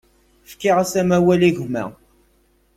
Fkiɣ-as amawal i gma.